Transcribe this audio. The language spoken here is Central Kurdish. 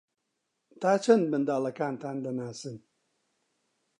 تا چەند منداڵەکانتان دەناسن؟